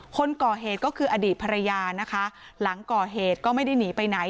คนก่อเหตุก็คืออดีตภรรยานะคะหลังก่อเหตุก็ไม่ได้หนีไปไหน